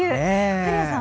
古谷さん